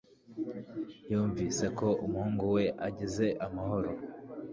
yumvise ko umuhungu we ageze amahoro